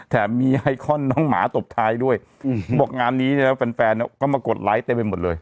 แต่มีไอคอนน้องหมาตบท้ายด้วยมักงานนี้แฟนแฟนก็มากดไลค์ตะเบนหมดเลย